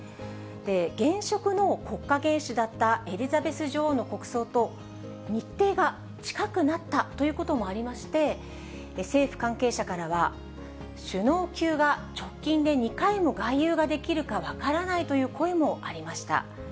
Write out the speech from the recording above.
現職の国家元首だったエリザベス女王の国葬と、日程が近くなったということもありまして、政府関係者からは、首脳級が直近で２回も外遊ができるか分からないという声もありました。